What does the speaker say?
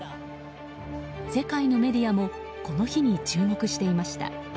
世界のメディアもこの日に注目していました。